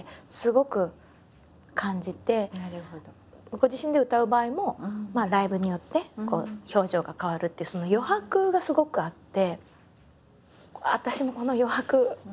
ご自身で歌う場合もライブによって表情が変わるってその余白がすごくあって。